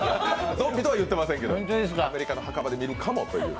ゾンビとは言っていませんけど、アメリカの墓場で見るかもという。